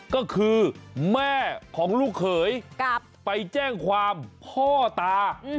ก็คือแม่ของลูกเขยไปแจ้งความพ่อตา